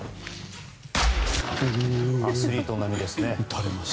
アスリート並みですね。